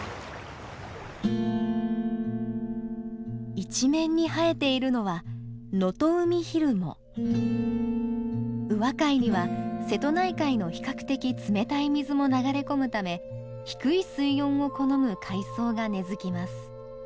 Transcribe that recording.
一面に生えているのは宇和海には瀬戸内海の比較的冷たい水も流れ込むため低い水温を好む海草が根づきます。